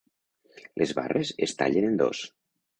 Les barres es tallen en dos.